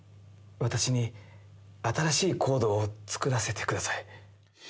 私に新しいコードを作らせてください。